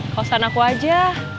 kausan aku aja